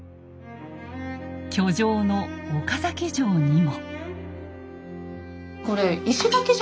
居城の岡崎城にも。